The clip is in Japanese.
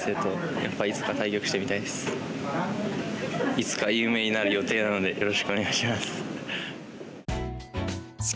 いつか有名になる予定なのでよろしくお願いします。